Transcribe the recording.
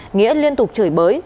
nghĩa liên tục chửi bới